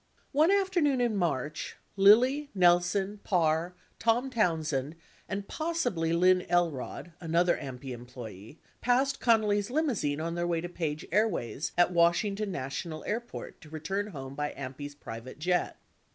One afternoon in March, Lilly, Nelson, Parr, Tom Townsend, and possibly Lynn Elrod (another AMPI employee) passed Connally's limousine on their way to Page Airways at Washington National Air port to return home by AMPI's private jet.